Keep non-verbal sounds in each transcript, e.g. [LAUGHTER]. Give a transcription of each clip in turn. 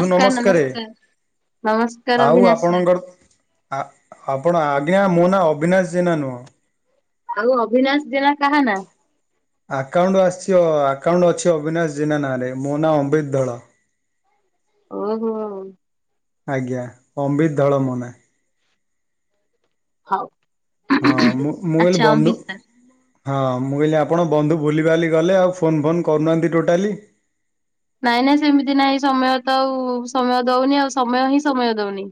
ଧୁ ନମସ୍କାର ନମସ୍କାର ଆଉ ଅଭିନାଶ ସାର୍ ଆପଣଙ୍କର ଆ ଆପଣ ଆଜ୍ଞା ମୋ ନାଁ ଅବିନାଶ ଜେନା ନୁହଁ। ଆଉ ଅଭିିନାଶ ଜେନା କାହା ନା? ଆକାଉଣ୍ଟ ଆସିଛି ଅ ଆକାଉଣ୍ଟ ଅଛି ଅବିନାଶ ଜେନା ନାଁରେ ମୋ ନାଁ ଅମ୍ବିତ୍ ଧଳ। ଓହୋ। ଆଜ୍ଞା ଅମ୍ବିତ୍ ଧଳ ମୋ ନାଁ ହଉ। ହଁ ମୁଁ ମୁଁ ହେଲି ଆଚ୍ଛା ବନ୍ଧୁ। ଅମ୍ବିତ ସାର୍ ହଁ ମୁଁ କହିଲି ଆପଣ ବନ୍ଧୁ ଭୁଲିିବାଲି ଗଲେ ଆଉ ଫୋନ ଫୋନ୍ କରୁନାହାନ୍ତି ଟୋଟାଲି। ନାଇଁ ନାଇଁ ସେମିତି ନହିଁ ସମୟ ତ ଆଉ ସମୟ ଦଉନି ଆଉ ସମୟ ହିଁ ସମୟ ଦଉନି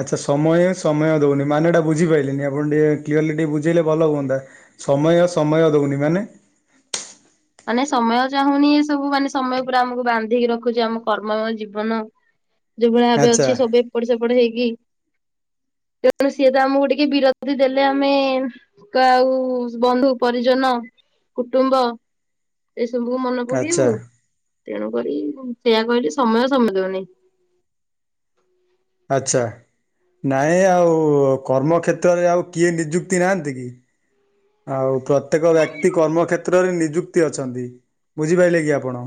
ଆଚ୍ଛା ସମୟ ସମୟ ଦଉନି ମାନେଟା ବୁଝିପାରିଲିନି ଆପଣ ଟିକେ କ୍ଲିୟରଲି ଟିକେ ବୁଝେଇଲେ ଭଲ ହୁଅନ୍ତା। ସମୟ ସମୟ ଦଉନି ମାନେ ମାନେ ସମୟ ଚାହୁଁନି ଏ ସବୁ ମାନେ ସମୟ ପୁରା ଆମକୁ ବାନ୍ଧିକି ରଖୁଛି ଆମ କର୍ମ ଜୀବନ ଯୋଉ ଭଳିଆ ଭାବେ ଆଚ୍ଛା ଅଛି ସବୁ ଏପଟେ ସେପଟେ ହେଇକି। ତେଣୁ ସିଏ ତ ଆମକୁ ଟିକେ ବିରତି ଦେଲେ ଆମେ କ ଆଉ ବନ୍ଧୁ ପରିଜନ। ହଁ କୁଟୁମ୍ବ। ଏ ସବୁକୁ ମନେ ଆଚ୍ଛା ପକେଇବୁ ତେଣୁକରି ମୁଁ ସେଇୟଆ କହିଲି ସମୟ ସମୟ ଦଉନି ଆଚ୍ଛା। ନାଇଁ ଆଉ କର୍ମ କ୍ଷେତ୍ରରେ ଆଉ କିଏ ନିଯୁକ୍ତି ନାହାନ୍ତି କି ଆଉ ପ୍ରତ୍ୟେକ ବ୍ୟକ୍ତି କର୍ମ କ୍ଷେତ୍ରରେ ନିଯୁକ୍ତି ଅଛନ୍ତି ବୁଝିପାଇଲେ କି ଆପଣ?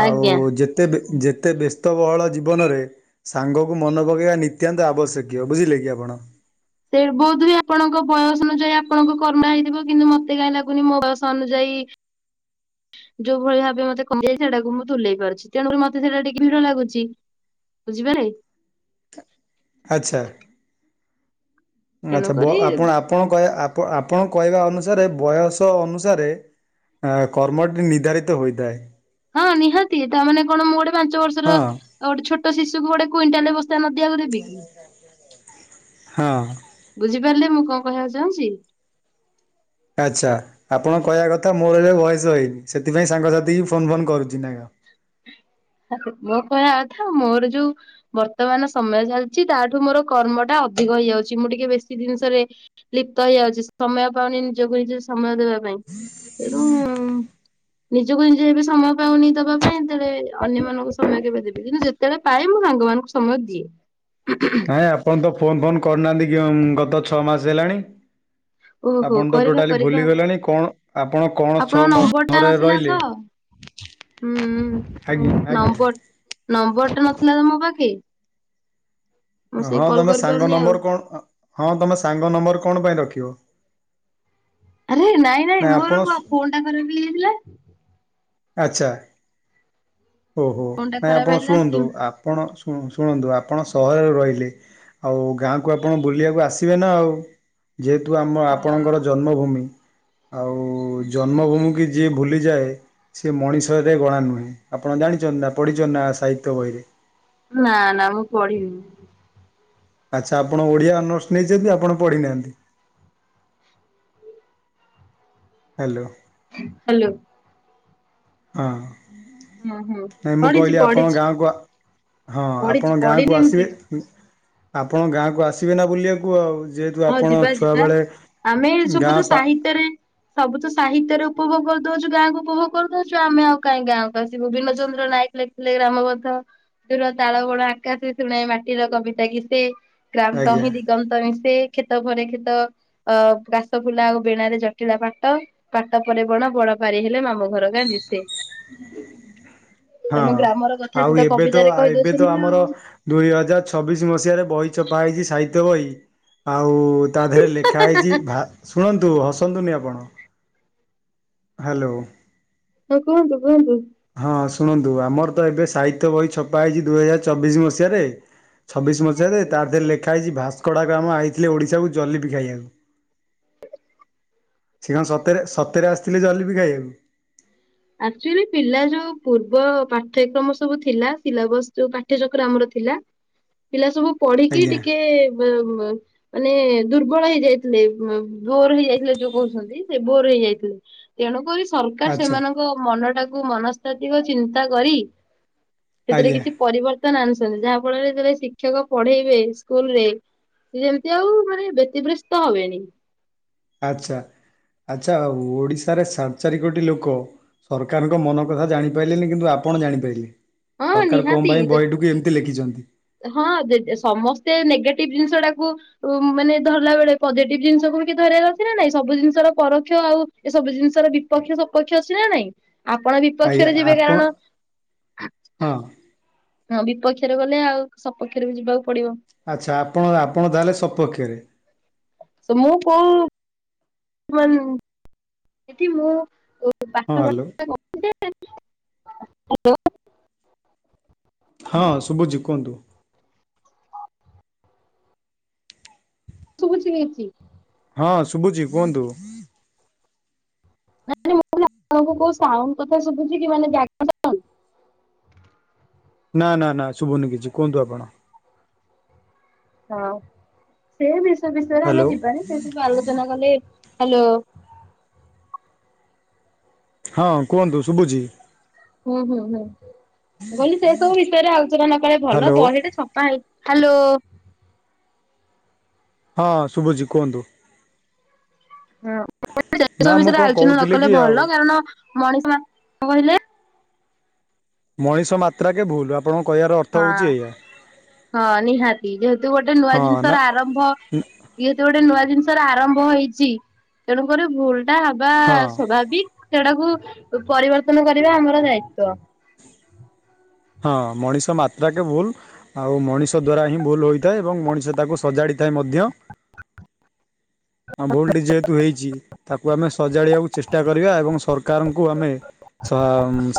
ଆଉ ଆଜ୍ଞା। ଯେତେ ବି ଯେତେ ବ୍ୟସ୍ତବହଳ ଜୀବନରେ ସାଙ୍ଗକୁ ମନେ ପକେଇବା ନିତ୍ୟାନ୍ତ ଆବଶ୍ୟକୀୟ ବୁଝିଲେ କି ଆପଣ। ଣ। ସେ ବଧ ହୁଏ ଆପଣଙ୍କ ବୟସ ଅନୁଯାୟୀ ଆପଣଙ୍କ କରୁନା ହେଇଥିବ କିନ୍ତୁ ମତେ କାହିଁ ଲାଗୁନି ମୋ ବୟସ ଅନୁଯାୟୀ ହ [INAUDIBLE] ଯୋଉ ଭଳି ଭାବେ ମତେ କମଯାଇ ସେଟାକୁ ମୁଁ ତୁଲେଇ ପାରୁଛି ତେଣୁକରି ମତେ ସେଇଟା ଟିକେ ଭିଡ ଲାଗୁଛି। ବୁଝିପାରେ। ଆଚ୍ଛା। ଆଚ୍ଛା ବ ତେଣୁକରି ଆପଣ ଆପଣ କହେ। ଆପଣଙ୍କ କହିବା ଅନୁସାରେ ବୟସ ଅନୁସାରେ। ଆ କର୍ମଟି ନିର୍ଦ୍ଧାରିତ ହୋଇଥାଏ। ହଁ ନିହାତି ତାମାନୋନେ କଣ ମୁଁ ଗୋଟେ ପାଞ୍ଚ ବର୍ଷର ହଁ ଗୋଟେ ଛୋଟ ଶିଶୁକୁ ଗୋଟେ କୁଇଣ୍ଟାଲ ବସ୍ [UNINTELLIGIBLE] ହଁ। ପାରିଲେ ମୁଁ କଣ କହିବାକୁ ଚାହୁଁଛି। ଆଚ୍ଛା ଆପଣଙ୍କ କହିବା କଥା ମୋର ଏବେ ବୟସ ହେଇନି ସେଥିପାଇଁ ସାଙ୍ଗସାଥି ଫୋନ ଫୋନ କରୁଛି। ହଁ। ମୋ କହିବା କଥା ମୋର ଯୋଉ ବର୍ତ୍ତମାନ ସମୟ ଚାଲିଛି ତାଠୁ ମୋର କର୍ମଟା। ଅଧିକ ହେଇଯାଉଛି ମୁଁ ଟିକେ ବେଶୀ ଜିନିଷରେ ଲିପ୍ତ ହେଇଯାଉଛି ସମୟ ପାଉନି ନିଜକୁ ନିଜ ସମୟ ଦେବା ପାଇଁ। ତେଣୁ ନିଜକୁ ନିଜେ ଏବେ ସମୟ ପାଉନି ଦବା ପାଇଁ। ସେତେଳେ ଅନ୍ୟମାନଙ୍କୁ ସମୟ କେବେ ଦେବେ କିନ୍ତୁ ଯେତେବେଳେ ପାଏ ମୁଁ ସାଙ୍ଗମାନାନଙ୍କୁ ସମୟ ଦିଏ। ନାଇଁ ଆପଣ ତ ଫୋନ ଫୋନ କରିୁନାହାନ୍ତି ଗତ ଛଅ ମାସ ହେଲାଣି। ଓହୋ ଆପଣ ତ କରିବା ଟୋଟାଲି କରିବା ଆଉ ଭୁଲିଗଲାଣି କଣ ଆପଣ କଣ ଛଅ ଆପଣଙ୍କ ନମ୍ବର ଟା ମାସରେ ନଥିଲା ରହିଲେ। ତ ହୁଁ ଆ୍ଞା ଆଜ୍ଞା। ନମ୍ବର ନମ୍ବର ଟା ନଥିଲା ତମ ପାଖେ। ମୁଁ ସେଇ ହଁ କଲ୍ ତମେ ସାଙ୍ଗ କରିପାରୁନି ଆଉ ନମ୍ବର କଣ। ହଁ ତମେ ସାଙ୍ଗ ନମ୍ବର କଣ ପାଇଁ ରଖିବ। ଆରେ ନାଇଁ ନାଇଁ ମୋର ଫୋନ୍ ଟା କର ହେଇଥିଲା। ଆଚ୍ଛା। ଓହୋ ଫୋନ ଟା ନାଇଁ ଖରାପ ଆପଣ ହେଇଥିଲା ଶୁଣନ୍ତୁ ସିମ୍ ଆପଣ। ଶୁଣନ୍ତୁ ଆପଣ ସହରରେ ରହିଲେ ଆଉ ଗାଁକୁ ଆପଣ ବୁଲିବାକୁ ଆସିବେ ନା ଆଉ। ଯେହେତୁ ଆମ ଆପଣଙ୍କର ହଁ ଜନ୍ମଭୂମି। ଆଉ ଜନ୍ମଭୂମି କି ଯିଏ ଭୁଲିଯାଏ ସେି ମଣିଷରେ ଗଣା ନୁହେଁ। ଆପଣ ଜାଣିଛନ୍ତି ନା ପଢିଛ ନା ସାହିତ୍ୟ ବହିରେ। ନା ନା ମୁଁ ପଢିନି। ଆଚ୍ଛା ଆପଣ ଓଡିଆ ଅନର୍ସ ନେଇଛନ୍ତି ଆପଣ ପଢିନାହାନ୍ତି। ହ୍ୟାଲୋ। ହ୍ୟାଲୋ। ହଁ ହୁଁ ହୁଁ ନାଇଁ ମୁଁ ପଢିଛି କହିଲି ଆପଣ ପଢିଛି ଗାଁକୁ। ହଁ ଆପଣ ପଢିଛି ଗାଁକୁ ପଢିନି ଏମିତି ଆସିବେ ଆପଣ ଗାଁକୁ ଆସିବେ ନା ବୁଲିବାକୁ ଆଉ। ଯେହେତୁ ହଁ ଆପଣ ଯିବା ଯିବା ଛୁଆବେଳେ। ଆମେ ସବୁ ଗାଁ ତ ପା ସାହିତ୍ୟରେ ସବୁ ତ ସାହିତ୍ୟରେ ଉପଭୋଗ। ଦଉଛୁ ଗାଁକୁ ଉପଭୋଗ କରିୁଦଉଛୁ ଆମେ ଆଉ କାହିଁ ଗାଁ କକୁ ଆସିବୁ ବିୀନଚନ୍ଦ୍ର ନାୟକ ଲେିଥିଲେ୍ରାମବନ୍ଧ। ଦୁର ତାଳବଣ ଆକାଶ ଶୁଣାଇ ମାଟିର କବିତା କିଶେ ଗ୍ରାମ ଆଜ୍ଞା। ସହିଁ ଦିଗନ୍ତ ମିଶେ। କ୍ଷେତ ଭରେ କ୍ଷେତ ଅ କାସ ଫୁଲା ଆଉ ବେଣରେ ଜଟିଳା ପାଟ ପାଟ ପରେ ବଣ ବଡ। ାର ହେଲେ ମାମ ଘର କାଧି ତଣୁ ହଁ ଗ୍ରାମ। ଆଉ ଏବେ ତ ଏବେ ତ ଆମର ଦୁଇ ହଜାର ଛବିଶି ମସିହାରେ ବହି ଚପା ହେଇଛି ସାହିତ। ବହି ଆଉ ତା ଦେହରେ ଲେଖା ହେଇଛି ଶୁଣ ୁ ହସନ୍ତୁନି ଆପଣ। ହ୍ୟାଲୋ। ହଁ କୁହନ୍ତୁ କୁହନ୍ତୁ। ହଁ ଶୁଣନ୍ତୁ ଆମର ତ ଏବେ ସାହିତ୍ୟ ବହି ଛପା ହେଇଛି ଦୁଇ ହଜାର ଚବିଶି ମସିହାରେ। ଛବିଶ ମସିହାରେ ତାରରେ ଲେଖା ହେଇଛି ଭାସ୍କଡା ଗ୍ରାମ ହେଇଥିଲେ ଓଡିଶାକୁ ଜଲିପି ଖାଇବାକୁ। ହ। ସେ କଣ ସତରେ ସତରେ ଆସିଥିଲେ ଜଲ ବିି ଖାଇବାକୁ। ଆକ୍ଚୁଆଲି ପିଲା ଯୋଉ ପୂର୍ବ ପାଠ୍ୟକ୍ରମ ସବୁ ଥିଲା ସିଲାବସ ଯୋଉ ପାଠ୍ୟଚକ୍ର ଆମର। ଥିଲା ପିଲା ସବୁ ପଢିକି ଆଜ୍ଞା ଟିକେ। ମାନେ ଦୁର୍ବଳ ହେଇ ଯାଇଥିଲେ ବୋର ହେଇ ଯାଇଥିଲେ ଯୋଉ କହୁଛନ୍ତି ସେ ବୋର ହେଇଯାଇଥିଲେ ତେଣୁକରି ସରକାର ଆଚ୍ଛା ସେମାନଙ୍କ ମନ ଟାକୁ ମନସ୍ତାତିିକ ଚିନ୍ତା କରି ସେଥିରେ ଆଜ୍ଞା। କିଛି ପରିବର୍ତ୍ତନ ଆଣୁଛନ୍ତି ଯାହା ଫଳରେ ଯେତେବେଳେ ଶିକ୍ଷକ ପଢେଇବେ ସ୍କୁଲରେ ଯେମିତି ଆଉ ମାନେ ବ୍ୟତିବ୍ରସ୍ତ ହବେନି ଆଚ୍ଛା ଆଛା ହଉ ଓଡିଶାରେ ସାଡେ ଚାରି କୋଟି ଲୋକ ସରକାରଙ୍କ ମନ କଥା ଜାଣିପାରିଲେନି କିନ୍ତୁ ଆ ଆପଣ ଜାଣିପାରିଲେ ହଁ ସରକାର କଣ ପାଇଁ ନିହାତି ବହିଟିକୁ ଏମିତି ଲେଖିଛନ୍ତି ହଁ ସମସ୍ତେ ନେଗେଟିଭ ଜିନିଷ ଟାକୁ ମାନେ ଧରିଲା ବେଳେ ପଜିଟିଭ ଜିନିଷ ତାକୁ ବି ଧରିବାର ଅଛି ନା ନାଇଁ ସବୁ ଜିନିଷର ପରୋକ୍ଷ ଆଉ ଏ ସବୁ ଜିନିଷର ବିପକ୍ଷ ସପକ୍ଷ ଅଛି ନା ନାଇଁ ଆପଣ ଆଜ୍ଞା ବିପକ୍ଷରେ ଯିବେ ଆପଣ କାରଣ ହଁ ହଁ ବିପକ୍ଷରେ ଗଲେ ଆଉ ସପକ୍ଷରେ ବି ଯିବାକୁ ପଡିବ ଆଚ୍ଛା ଆପଣ ଆପଣ ତାହେଲେ ସପକ୍ଷରେ ତ ମୁ କୋଉ [INAUDIBLE] ସେଠି ମୁଁ [INAUDIBLE] ହ୍ୟାଲୋ [INAUDIBLE] ହଁ ଶୁଭୁଛି କୁହନ୍ତୁ ଶୁଭୁଚି ହଁ ଶୁଭୁଛିି କୁହନ୍ତୁ ନ ମୁଁ କଇଲି ଆପଣ ଙ୍କୁ ଶୋଉଣ୍ଡ କଥା ଶୁଭୁଚି କି! ମନେ [UNINTELLIGIBLE] [INAUDIBLE] ନା ନା ନା ଶୁଭୁନି କିଛି କୁହନ୍ତୁ ଆପଣ! ହଁ ସେ ବିଷୟ ବିଷୟରେ ଆମେ ହ୍ୟାଲୋ ଯିବାନି ସେ ସବୁ ଆଲୋଚନା କଲେ, ହ୍ୟାଲୋ! ହଁ କୁହନ୍ତୁ ଶୁଭୁଛିି! ହୁଁ ହୁଁ ହୁଁ ମୁଁ କହିଲି, ସେ ସବୁ ବିଷୟରେ ଆଲୋଚନା ନ କରିବା ଭଲ ହ୍ୟାଲୋ ବହିରେ ଛପା ହେଇଛି ହ୍ୟାଲୋ! ହଁ ଶୁଭୁଜୀ କୁହନ୍ତୁ! ବ ନା ମୁଁ ବିଷୟରେ କଣ ଆଲୋଚନା ନ କହୁଥିଲି କି କଲେ ଆଉ ଭଲ, କାରଣ ମଣିଷ ମାନ କଣ କହିଲେ ମଣିଷ ମାତ୍ରା କେ ଭୁଲ ର ଅର୍ଥ ହଁ ହେଉଛି ଏଇଆ ହଁ ନିହାତି ଯେହେତୁ, ଗୋଟେ ନୂଆ ହଁ ନା ଜିନିଷର ଆରମ୍ଭ ଯେହେତୁ ଗୋଟେ ନୂଆ ଜିନିଷ ର ଆରମ୍ଭ ହେଇଛି, ତେଣୁକରି ଭୁଲ ଟା ହବା ହଁ। ସୋଭାବିକ ସେଟାକୁ ପରିବର୍ତ୍ତନ କରିବା ଆମର ଦାୟିତ୍ଵ। ହଁ ମଣିଷ ମାତ୍ରାକେ ଭୁଲ ଆଉ ମଣିଷ ଦ୍ଵାରା ହିଁ ଭୁଲ ହୋଇଥାଏ, ଏବଂ ମଣିଷ ତାକୁ ସଜାଡିଥାଏ ମଧ୍ୟ [UNINTELLIGIBLE] ଆ ଭୁଲଟି ଯେହେତୁ ହେଇଛି ତାକୁ ଆମେ ସଜାଡ଼ିବାକୁ ଚେଷ୍ଟା କରିବା ଏବଂ ସରକାରଙ୍କୁ ଆମେ ସା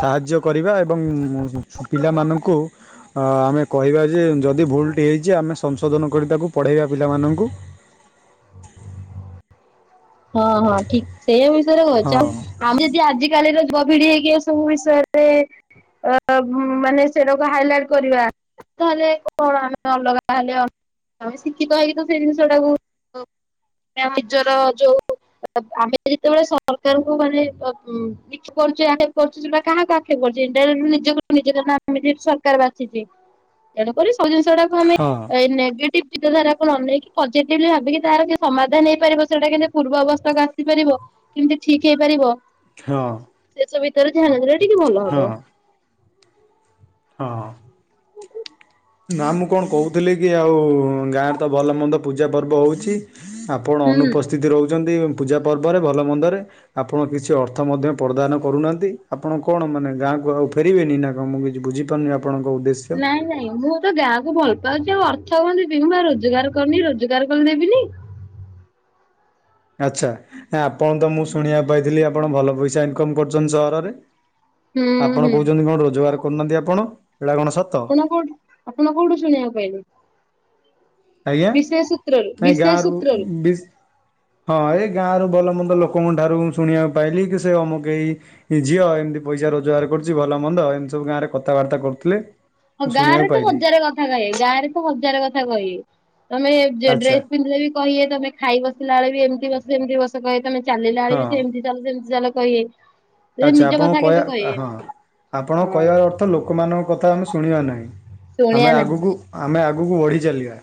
ସାହାଯ୍ୟ କରିବା ଏବଂ ପିଲାମାନଙ୍କୁ ଆମେ କହିବା ଯେ ଯଦି ଭୁଲଟି ହେଇଛି ଆମେ ସଂଶୋଧନ କରି ତାକୁ ପଢ଼େଇବା ପିଲାମାନଙ୍କୁ। [INAUDIBLE] ହଁ ହଁ ଠିକ ସେଇ ବିଷୟରେ ହଁ କହୁଛ ଆମେ ଯଦି ଆଜିକାଲିର ଯୁବପିଡ଼ି ହେଇକି ଏ ସବୁ ବିଷୟରେ ଅ ମାନେ ସେଟାକୁ ହାଇଲାଇଟ କରିବା, ତାହେଲେ କଣ ଆମେ ଅଲଗା ତାହା ହେଲେ ଆଉ। ଆମେ ଶିକ୍ଷିତ ହେଇକି ତ ସେଇ ଜିନିଷ ଟାକୁ ଆମେ ନିଜର ଯୋଉ ଆମେ ଯେତେବେଳେ ସରକାରଙ୍କୁ ମାନେ ଆକ୍ଷେପ କରୁଛୁ କାହା କାହା [UNINTELLIGIBLE] ନିଜ ନିଜ ସରକାର ବାଛି, ତେଣୁକରି ସବୁ ଜିନ ସେଗୁଡା କୁ ଆମେ ହଁ। ନେଗେଟିଭ ଚୀନ୍ତା ଧାରାକୁ ନ ନେଇେଇକି, ପଯେଟିଭ ଭାବିକି ତାର ସମାଧାନ ହେଇପାରିବ ସେଇଟା କିନ୍ତ ପୂର୍ବ ଅବସ୍ଥାକୁ ଆସିପାରିବ କେମିତି ଠିକ ହେଇପାରିବ ହଁ। ଭିତରେ ଧ୍ୟାନ ଦେଲେ ଟିକେ ଭଲ ହଁ ହବ। ହଁ। ନା ମୁଁ କଣ କହୁଥିଲି କି ଆଉ ଗାଁରେ ତ ଭଲ ମନ୍ଦ ପୂଜା ପର୍ବ ହଉଛି ଆପଣ ହୁଁ। ଅନୁପସ୍ଥିତି ରହୁଛନ୍ତି। ପୂଜା ପର୍ବରେ ଭଲ ମନ୍ଦରେ ଆପଣ କିଛି ଅର୍ଥ ମଧ୍ୟ ପ୍ରଦାନ କରୁନାହାନ୍ତି ଆପଣ କଣ ମାନେ ଗାଁ ଆଉ ଫେବେନି ନା ମୁଁ କିଛି ବୁଝି ପାରୁନି ନାଇଁ ନାଇଁ ମୁଁ ତ ଗାଁ କକୁ ଭଲ ପାଉଛି ଆଉ ଅର୍ଥ କୁହନ୍ତିିବି ମୁଁ ବା ରୋଜଗାର କରିନି ରୋଜଗାର କରିଦେବିନି ହୁଁ। ଆଚ୍ଛା ଆପଣ ତ, ମୁଁ ଶୁଣିବାକୁ ପାଇଥିଲି ଆପଣ ଭଲ ପଇସା ଇନକମ କରୁଛନ୍ତି ସହରରେ ହୁଁ ଆପଣ ହୁଁ। କହୁଛନ୍ତି, କଣ ରୋଜଗାର କରୁନାହାନ୍ତି ଆପଣ ଏଇଟା କଣ ସତ ଆପଣ କୋଉଠି ଆପଣ କୋଉଠୁ ଶୁଣିବାକୁ କହଲେ ଆଜ୍ଞା ଆ ଗା ବିଶେଷ ର ସୂତ୍ରରୁ। ହଁ। ଗାଁରୁ ଭଲ ମନ୍ଦ ଲୋକଙ୍କ ଠାରୁ ଶୁଣିବାକୁ ପାଇଲି କି ସେ ଅମକହି ଝିଅ ଏମିତି ପଇସା ରୋଜଗାର କରୁଛି ଭଲ ମନ୍ଦ ଏମିତି ସବୁ ଗାଁରେ କଥାବାର୍ତ୍ତା କରୁଥିଲେ ହଁ ମୁଁ ଗାଁ ଶୁଣିବାକୁ ରେ ତ ପାଇଲି ହଜାରେ କଥା କହେ ଗାଁ ରେ ତ ହଜାର କଥା କହେ ତମେ ଆଚ୍ଛା ଡ୍ରେସ ପିନ୍ଧିଲେ ବି କହିବେ ତମେ ଖାଇ ବସିଲା ବେଳେ ବି ଏମିତି ବସ ଏମିତି ବସ କହିବେ ତମେ ଚାଲିଲା ବେ ବି ସେମିତି ଚାଲ ସେମିତି ଚାଲ କହିହେ ଆଛା ଆପଣଙ୍କୁ କହିବା ହଁ ଆପଣ ହଁ କହିବାର ଅର୍ଥ ଲୋକମାନଙ୍କ କଥା ଆମେ ଶୁଣିବା ନାହିଁ। ଶୁଣିଆ ଆମେ ନାହିଁ। ଆଗକୁ ଆମେ ଆଗକୁ ବଢି ଚାଲିବା।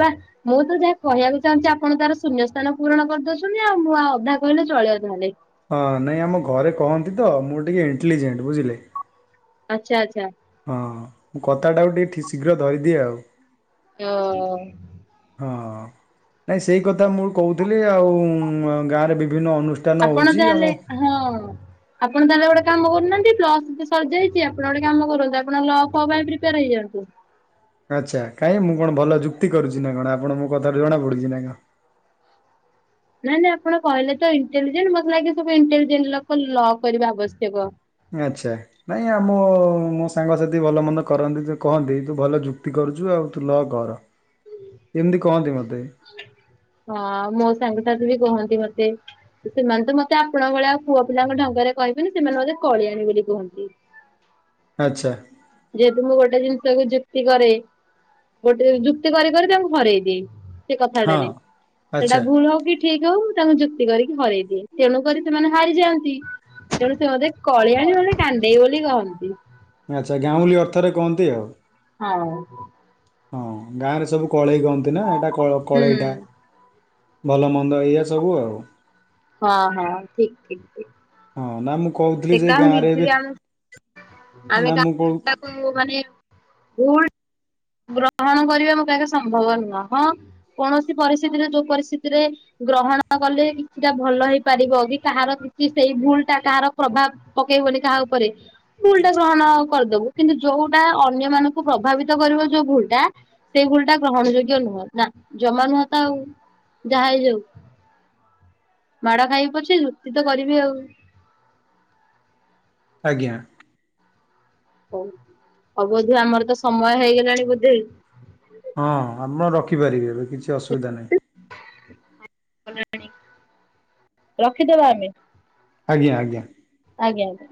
ବା ମୁଁ ତ ଯାହା କହିବାକୁ ଚାହୁଁଛି ଆପଣ ତାର ଶୂନ୍ୟ ସ୍ଥାନ ପୂରଣ କରିଦଉଛନ୍ତି ଆଉ ମୁଁ ଆଉ ଅଧା କହିଲେ ଚଳିବ ତାହେଲେ। ହଁ ନାଇଁ ଆମ ଘରେ କହନ୍ତି ତ ମୁଁ ଟିକେ ଇଣ୍ଟେଲିଜେଣ୍ଟ ବୁଝିଲେ। ଆଚ୍ଛା ଆଚ୍ଛା। ହଁ ମୁଁ କଥାଟାକୁଉ ଟିକେ ଠିକ ଶୀଘ୍ର ଧରିଦିଏ ଆଉ। ଓ। ହଁ ନାଇଁ ସେଇ କଥା ମୁଁ କହୁଥିଲି ଆଉ ଗାଁରେ ବିଭିନ୍ନ ଅନୁଷ୍ଠାନ ଆପଣ ହଉଛି ଆମ ତାହେଲେ ହଁ ଆପଣ ତାହେଲେ ଗୋଟେ କାମ କରୁନାହାନ୍ତି ପ୍ଲସ ସଜ ହୋଇଛି ଆପଣ ଗୋଟେ କାମ କରନ୍ତୁ ଆପଣ ଲ ପାଇଁ ପ୍ରିପେୟାର ହେଇଯାନ୍ତୁ। ଆଚ୍ଛା କାହିଁ ମୁଁ କଣ ଭଲ ଯୁକ୍ତି କରୁଛି ନା କଣ ଆପଣ ମୋ କଥାାରୁ ଜଣା ପଡୁଛି ନା କଣ? ନାଇଁ ନାଇଁ ଆପଣ କହିଲେ ତ ଇଣ୍ଟେଲିଜେଣ୍ଟ ମତେ ଲାଗେ ସବୁ ଇଣ୍ଟେଲିଜେଣ୍ଟ ଲୋକ ଲ କରିବା ଆବଶ୍ୟକ। ଆଚ୍ଛା ନାଇଁ ଆମ ମୋ ସାଙ୍ଗସାଥି ଭଲ ମନ୍ଦ କରନ୍ତି ତ କହନ୍ତି ତୁ ଭଲ ଯୁକ୍ତି କର କରଛୁ ଆଉ ତୁ ଲ କର। ଏମିତି କହନ୍ତି ମତେ ହଁ ମୋ ସାଙ୍ଗଠାରୁ ବି କୁହନ୍ତିୁ। ମତେ ସେମାନେ ତ ମତେ ଆପଣ ଭଳିଆ ଆଉ ପୁଅ ପିଲାଙ୍କ ଢଙ୍ଗରେ କହିବେନି ସେମାନେ ମତେ କଳିଆଣୀ ବୋଲି କୁହନ୍ତି। ହ ଆଚ୍ଛା। ଯେହେତୁ ମୁଁ ଗୋଟେ ଜିନିଷ କୁ ଯୁକ୍ତି କରେ। ଗୋଟେ ଯୁକ୍ତି କରି କରି ତାଙ୍କୁ ହରେଇ ଦିଏ। ସେ ହଁ। କଥାଟାରେ ସେଟା ଆଚ୍ଛା ଭୁଲ ହଉ କି ଠିକ ହଉ ତାଙ୍କୁ ଯୁକ୍ତି କରିକି ହରଇ ଦିଏ ତେଣୁ କରି ସେମାନେ ହାରିଯାଆନ୍ତି ତେଣୁ ସେ ମତେ କଳିଆଣି ବୋଲି କାନ୍ଦେଇ ବୋଲି କହନ୍ତି। ଆଚ୍ଛା ଗାଉଁଲି ଅର୍ଥରେ କୁହନ୍ତି ଆଉ। ହଁ। ହଁ ଗାଁରେ ସବୁ କଳେଇ କହନ୍ତି ନା ଏଇଟା କ ହୁଁ। କଳେଇଟା। ଭଲ ମନ୍ଦ ଏଇଆ ସବୁ ଆଉ। ହଁ ହଁ ଠିକ ଠିକ୍। ହଁ ନା ମୁଁ କହୁଥିଲି ଯେ ଗାଁରେ ଏବେ ବିଝିବି ଆମେ ଆମେ ନା ମୁଁ କହୁ କାକୁ ମାନେ ଉ ଗ୍ରହଣ କରିବା ମୋ ପାଖେ ସମ୍ଭବ ନୁହଁ ହଁ କୌଣସି ପରିସ୍ଥିତିରେ ଯୋଉ ପରିସ୍ଥିତିରେ ଗ୍ରହଣ କଲେ କିଛିଟା ଭଲ ହେଇପାରିବ କି କାହାର କିଛି ସେଇ ଭୁଲ ଟା କାହାର ପ୍ରଭାବ ପକେଇବ କାହା ଉପରେ। ଭୁଲ ଟା ଗ୍ରହଣ କରିଦବୁ କିନ୍ତୁ ଯୋଉଟା ଅନ୍ୟ ମାନଙ୍କୁ ପ୍ରଭାବିତ କରିବ ଯୋଉ ଭୁଲ ଟା ସେଇ ଭୁଲ୍ ଟା ଗ୍ରହଣ ଯୋଗ୍ୟ ନୁହ ନା ଜମା ନୁହଁ ତ ଆଉ ଯାହା ହେଇ ଯାଉ। ମାଡ ଖାଇ ପାରୁଛି ଯୁକ୍ତି ତ କରିବି ଆଉ। ଆଜ୍ଞା। ହଉ ଆଉ ବୋଧେ ଆମର ତ ସମୟ ହେଇଗଲାଣି ବୋଧେ। ହଁ ଆପଣ ରଖିପାରିବେ ଏବେ କିଛି ଅସୁବିଧା ନାହିଁ। ରଖିଦବା ଆମେ। ଆଜ୍ଞା ଆଜ୍ଞା। ଆଜ୍ଞା ଆଜ୍ଞା।